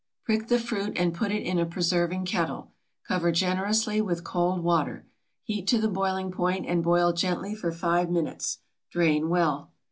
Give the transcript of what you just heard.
Prick the fruit and put it in a preserving kettle. Cover generously with cold water. Heat to the boiling point and boil gently for five minutes. Drain well.